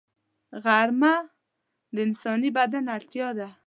غرمه د انساني بدن اړتیا ده